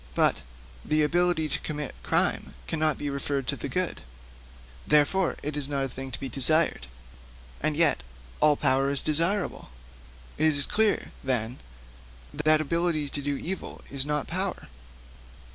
But the ability to commit crime cannot be referred to the good; therefore it is not a thing to be desired. And yet all power is desirable; it is clear, then, that ability to do evil is not power.